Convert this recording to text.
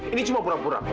ini cuma pura pura kok